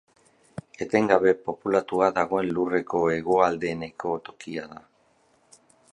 Etengabe populatua dagoen Lurreko hegoaldereneko tokia da.